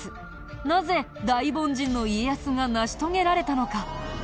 なぜ大凡人の家康が成し遂げられたのか？